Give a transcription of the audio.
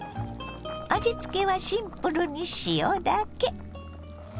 味つけはシンプルに塩だけ。